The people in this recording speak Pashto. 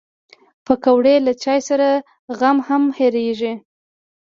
پکورې له چای سره غم هم هېرېږي